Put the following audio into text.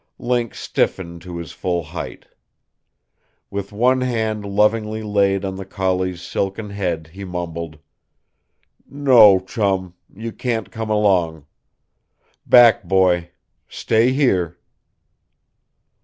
Link stiffened to his full height. With one hand lovingly laid on the collie's silken head, he mumbled: "No, Chum, you can't come along. Back, boy! Stay HERE!"